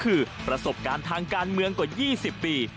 คือประสบการณ์ทางการเมืองกว่า๒๐ปี